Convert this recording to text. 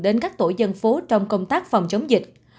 đến các tổ dân phố trong công tác phòng chống dịch